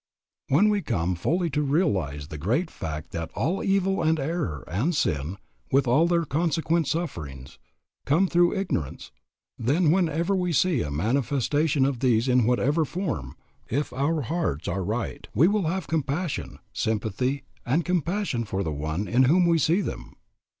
When we come fully to realize the great fact that all evil and error and sin with all their consequent sufferings come through ignorance, then wherever we see a manifestation of these in whatever form, if our hearts are right, we will have compassion, sympathy and compassion for the one in whom we see them.